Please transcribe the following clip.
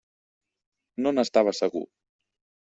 No n'estava segur.